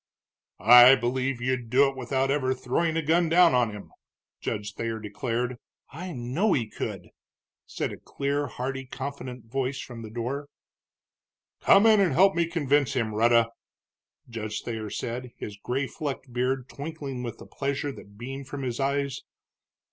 "I believe you'd do it without ever throwing a gun down on him," Judge Thayer declared. "I know he could!" said a clear, hearty, confident voice from the door. "Come in and help me convince him, Rhetta," Judge Thayer said, his gray flecked beard twinkling with the pleasure that beamed from his eyes.